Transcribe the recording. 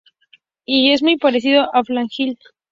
Y es muy parecido a Faith Hill.